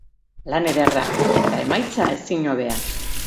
Lan ederra, eta emaitza ezin hobea.